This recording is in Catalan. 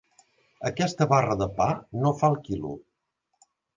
Aquesta barra de pa no fa el quilo.